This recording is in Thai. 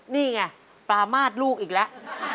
นี่ไงปรามาทลูกอีกแล้ว